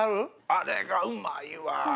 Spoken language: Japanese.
あれがうまいわ！